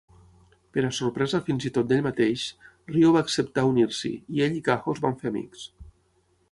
Per a sorpresa fins i tot d'ell mateix, Ryo va acceptar unir-s'hi, i ell i Kaho es van fer amics.